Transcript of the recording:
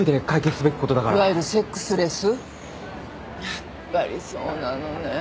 やっぱりそうなのね。